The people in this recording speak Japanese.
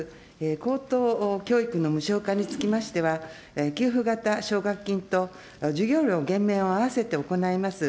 高等教育の無償化につきましては、給付型奨学金と授業料減免をあわせて行います